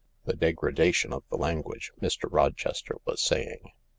"... The degradation of the language," Mr. Rochester was saying.